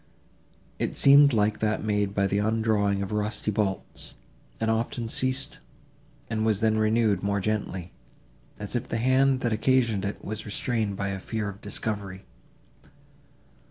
It seemed like that made by the undrawing of rusty bolts, and often ceased, and was then renewed more gently, as if the hand, that occasioned it, was restrained by a fear of discovery.